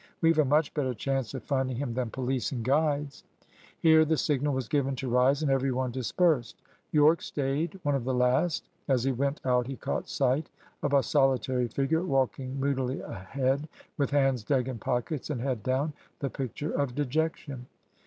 We've a much better chance of finding him than police and guides." Here the signal was given to rise, and every one dispersed. Yorke stayed one of the last. As he went out he caught sight of a solitary figure walking moodily ahead, with hands dug in pockets and head down, the picture of dejection.